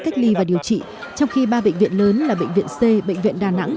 cách ly và điều trị trong khi ba bệnh viện lớn là bệnh viện c bệnh viện đà nẵng